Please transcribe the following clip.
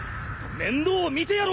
面倒を見てやろう！